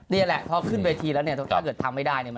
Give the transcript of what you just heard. นี่แหละเพราะว่าขึ้นวีทีแล้วตอนนี้ถ้าทำไม่ได้